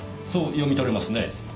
そう読み取れますね。